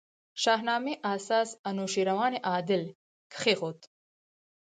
شاهنامې اساس انوشېروان عادل کښېښود.